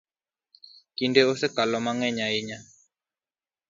Kinde osekalo mang'eny ahinya.